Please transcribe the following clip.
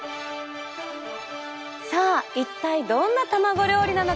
さあ一体どんな卵料理なのか。